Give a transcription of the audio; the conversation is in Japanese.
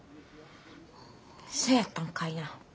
そやったんかいな。